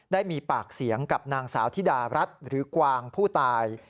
ได้มีปากเสียงกับนางสาวธิดารัฐหรือกวางผู้ตาย